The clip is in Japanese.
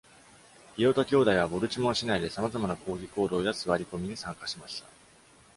イオタ兄弟はボルチモア市内でさまざまな抗議行動や座り込みに参加しました。